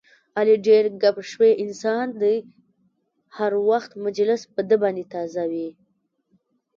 علي ډېر ګپ شپي انسان دی، هر وخت مجلس په ده باندې تازه وي.